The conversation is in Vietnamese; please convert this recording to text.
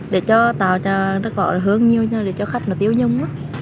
để cho tạo ra có hương nhiều cho khách tiêu dung